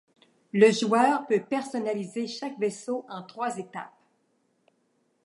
Le joueur peut personnaliser chaque vaisseau en trois étapes.